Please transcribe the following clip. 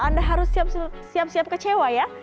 anda harus siap siap kecewa ya